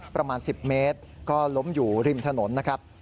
ประมาณ๑๐เมตรก็ล้มอยู่ริมถนนนะครับ